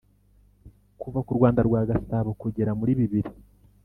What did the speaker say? kuva ku rwanda rwa gasabo kugera muri bibiri